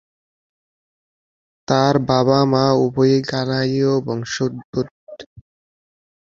তার বাবা-মা উভয়েই ঘানায়ীয় বংশোদ্ভূত।